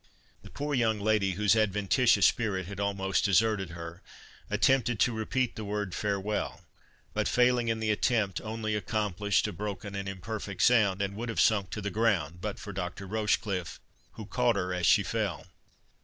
The poor young lady, whose adventitious spirit had almost deserted her, attempted to repeat the word farewell, but failing in the attempt, only accomplished a broken and imperfect sound, and would have sunk to the ground, but for Dr. Rochecliffe, who caught her as she fell.